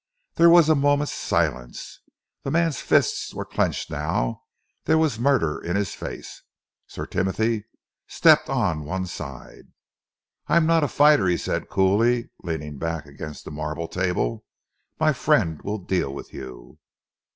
There was a moment's silence. The man's fists were clenched now, there was murder in his face. Sir Timothy stepped on one side. "I am not a fighter," he said coolly, leaning back against the marble table. "My friend will deal with you."